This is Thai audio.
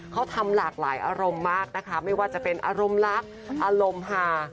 เขาทำหลากหลายอารมณ์มากนะคะไม่ว่าจะเป็นอารมณ์รักอารมณ์หา